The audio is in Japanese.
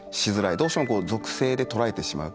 どうしても属性で捉えてしまう。